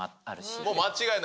もう間違いない。